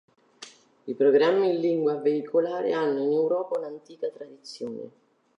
I programmi in lingua veicolare hanno in Europa un'antica tradizione.